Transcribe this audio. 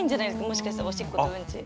もしかしたらおしっことうんち。